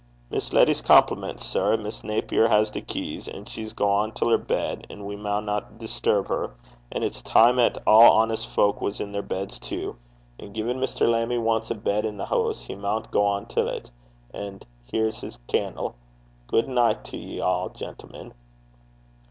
'Miss Letty's compliments, sir, and Miss Naper has the keys, and she's gane till her bed, and we maunna disturb her. And it's time 'at a' honest fowk was in their beds tu. And gin Mr. Lammie wants a bed i' this hoose, he maun gang till 't. An' here's his can'le. Gude nicht to ye a', gentlemen.'